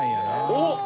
おっ！